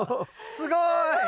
すごい！